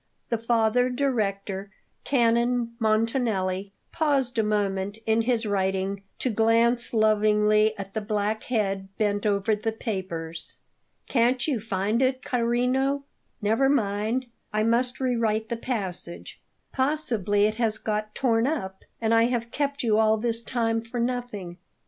The Father Director, Canon Montanelli, paused a moment in his writing to glance lovingly at the black head bent over the papers. "Can't you find it, carino? Never mind; I must rewrite the passage. Possibly it has got torn up, and I have kept you all this time for nothing."